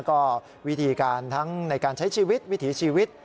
ก็วิธีการทั้งในการใช้ชีวิตวิถีชีวิต